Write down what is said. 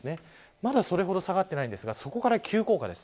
まだそれほど下がっていないんですが、そこから急降下です。